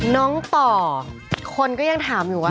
น้องต่อคนก็ยังถามอยู่ว่า